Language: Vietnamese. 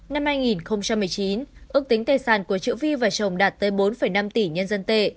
năm hai nghìn một mươi chín ước tính tài sản của triệu vi và chồng đạt tới bốn năm tỷ nhân dân tệ